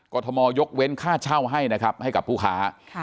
กรทมยกเว้นค่าเช่าให้กับผู้ค้า